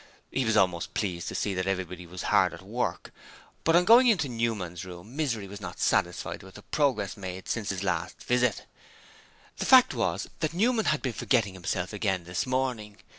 He was almost pleased to see that everybody was very hard at work, but on going into Newman's room Misery was not satisfied with the progress made since his last visit. The fact was that Newman had been forgetting himself again this morning.